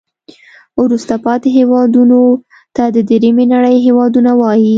وروسته پاتې هیوادونو ته د دریمې نړۍ هېوادونه وایي.